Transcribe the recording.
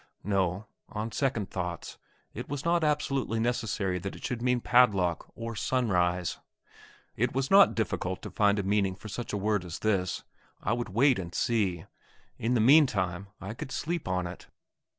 No; on second thoughts, it was not absolutely necessary that it should mean padlock, or sunrise. It was not difficult to find a meaning for such a word as this. I would wait and see. In the meantime I could sleep on it.